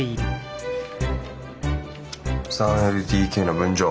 ３ＬＤＫの分譲？